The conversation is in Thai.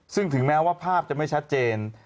ซึ่งถึงแม้ว่าภาพจะไม่ชัดเจน